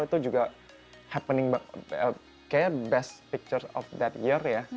itu juga happening kayaknya best picture of that year ya